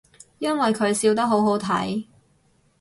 因為佢笑得好好睇